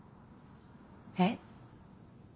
えっ？